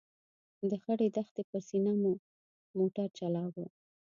د خړې دښتې پر سینه مو موټر چلاوه.